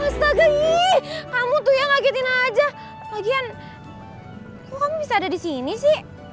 lestage kamu tuh yang ngagetin aja pagian kok kamu bisa ada di sini sih